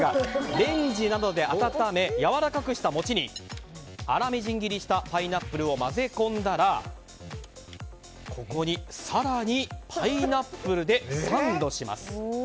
レンジなどで温めやわらかくした餅に粗みじん切りにしたパイナップルを混ぜ込んだらここに更にパイナップルでサンドします。